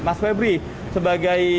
mas febri sebagai